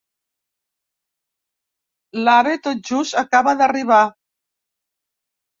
L'Abe tot just acaba d'arribar.